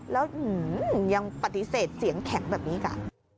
แล้วยังปฏิเสธเสียงแข็งแบบนี้อีก